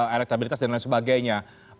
elektabilitas dan lain sebagainya